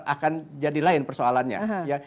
akan jadi lain persoalan itu